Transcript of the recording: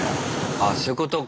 ああそういうことか。